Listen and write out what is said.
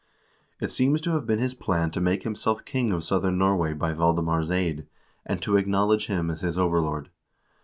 It seems to have been his plan to make himself king of southern Norway by Valdemar's aid, and to acknowl edge him as his overlord.